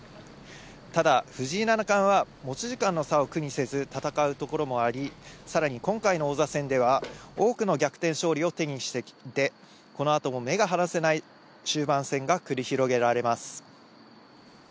ただ、藤井７冠は持ち時間の差を苦にせず戦うところもあり、さらに今回の王座戦では、多くの逆転勝利を手にしていて、このあとも目が離せない終盤戦が繰り広げられます。